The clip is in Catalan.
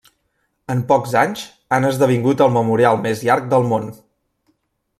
En pocs anys, han esdevingut el memorial més llarg del món.